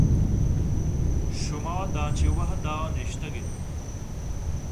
شما داں چہ وھد ءَ نشتگ اِت ؟